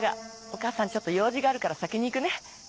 お母さんちょっと用事があるから先に行くね。